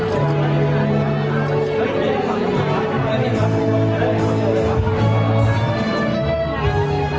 สวัสดีสวัสดีสวัสดี